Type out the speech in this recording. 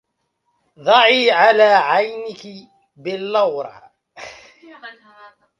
ضعي على عينيك بلورة